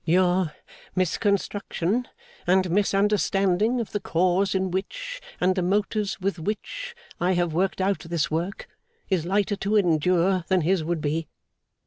Your misconstruction and misunderstanding of the cause in which, and the motives with which, I have worked out this work, is lighter to endure than his would be.